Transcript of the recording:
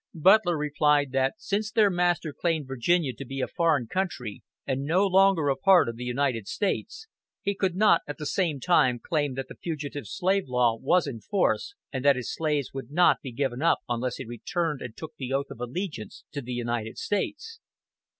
Butler replied that since their master claimed Virginia to be a foreign country and no longer a part of the United States, he could not at the same time claim that the fugitive slave law was in force, and that his slaves would not be given up unless he returned and took the oath of allegiance to the United States.